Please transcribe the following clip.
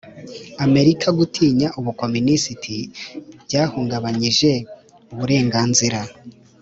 amerika gutinya ubukomunisiti byahungabanyije uburenganzira